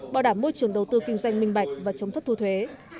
bảo đảm môi trường đầu tư kinh doanh minh bạch và chống thất thu thuế